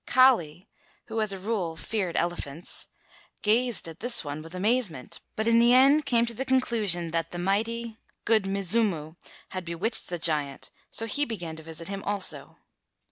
Kali, who as a rule feared elephants, gazed at this one with amazement but in the end came to the conclusion that the mighty, "Good Mzimu" had bewitched the giant, so he began to visit him also.